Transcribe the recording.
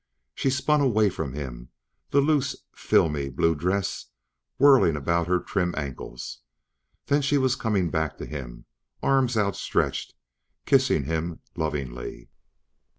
She spun away from him, the loose, filmy blue dress whirling about her trim ankles ... then she was coming back to him, arms outstretched ... kissing him lovingly...